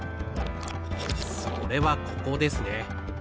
それはここですね。